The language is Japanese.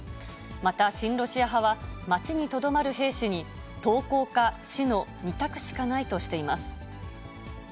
また、親ロシア派は、町にとどまる兵士に投降か死の２択しかないとしています。